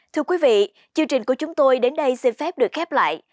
thưa quý vị chương trình của chúng tôi đến đây xin phép được khép lại